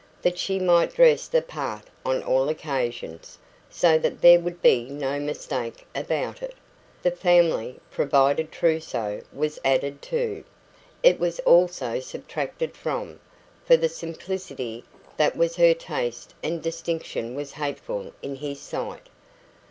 That she might dress the part on all occasions, so that there would be no mistake about it, the family provided trousseau was added to; it was also subtracted from, for the simplicity that was her taste and distinction was hateful in his sight.